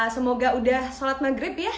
semoga udah sholat maghrib ya